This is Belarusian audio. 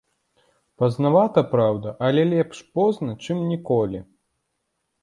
Пазнавата, праўда, але лепш позна, чым ніколі.